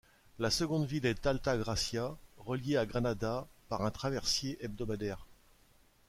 La seconde ville est Altagracia, reliée à Granada par un traversier hebdomadaire.